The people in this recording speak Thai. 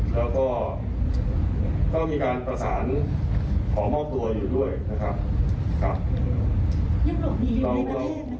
แล้วก็ก็มีการประสานขอมอบตัวอยู่ด้วยนะครับครับ